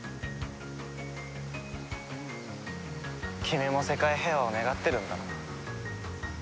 君も世界平和を願ってるんだな。